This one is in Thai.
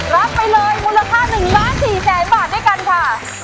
รับไปเลยมูลค่า๑ล้าน๔แสนบาทด้วยกันค่ะ